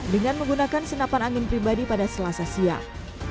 dengan menggunakan senapan angin pribadi pada selasa siang